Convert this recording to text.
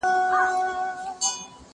زه اوږده وخت د سبا لپاره د ژبي تمرين کوم،